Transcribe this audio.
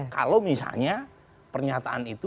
kalau misalnya pernyataan itu